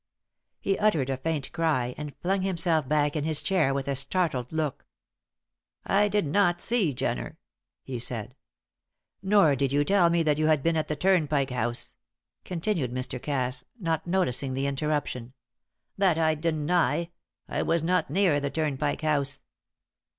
He uttered a faint cry, and flung himself back in his chair with a startled look. "I did not see Jenner!" he said. "Nor did you tell me that you had been at the Turnpike House," continued Mr. Cass, not noticing the interruption. "That I deny. I was not near the Turnpike House."